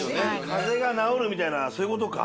「風邪が治る」みたいなそういう事か。